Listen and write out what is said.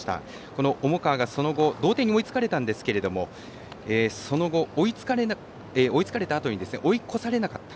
この重川がその後同点に追いつかれたんですがその後、追いつかれたあとに追い越されなかった。